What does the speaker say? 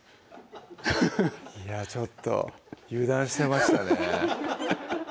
フフッいやちょっと油断してましたね